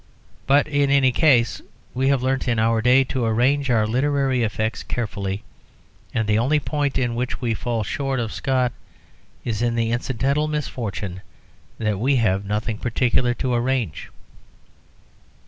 But in any case, we have learnt in our day to arrange our literary effects carefully, and the only point in which we fall short of Scott is in the incidental misfortune that we have nothing particular to arrange.